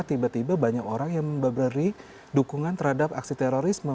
tiba tiba banyak orang yang memberi dukungan terhadap aksi terorisme